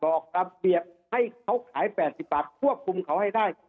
ออกระเบียบให้เขาขาย๘๐บาทควบคุมเขาให้ได้